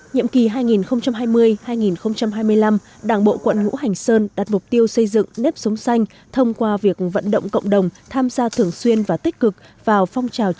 nhiệm kỳ hai nghìn hai mươi hai nghìn hai mươi năm đảng bộ quận ngũ hành sơn đặt mục tiêu xây dựng nếp sống xanh thông qua việc vận động cộng đồng tham gia thường xuyên và tham gia công trình